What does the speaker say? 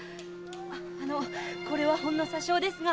あのこれはほんの些少ですがお礼に。